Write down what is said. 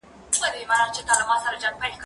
زه اجازه لرم چي کتابتون ته راشم!؟